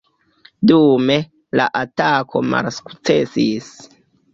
Dume, la atako malsukcesis.